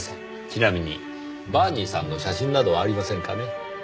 ちなみにバーニーさんの写真などはありませんかね？